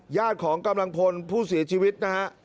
ญาติของกำลังพลผู้เสียชีวิตนะฮะ